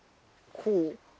こう？